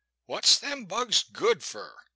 What 's them bugs good fur ?